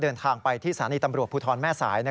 เดินทางไปที่สถานีตำรวจภูทรแม่สาย